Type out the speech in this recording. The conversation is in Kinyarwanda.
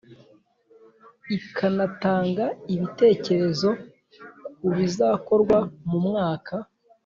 ikanatanga ibitekerezo kubizakorwa mu mwaka